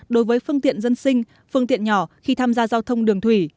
đối với phương tiện dân sinh phương tiện nhỏ khi tham gia giao thông đường thủy